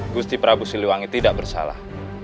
gusti prabu siliwangi tidak bersalah